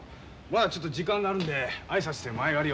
まだちょっと時間があるんで挨拶して前借りを。